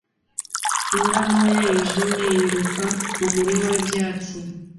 imbwa ntoya yijimye yiruka mumurima wibyatsi